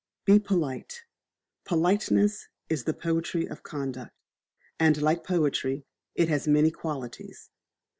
Be Polite. Politeness is the poetry of conduct and like poetry, it has many qualities.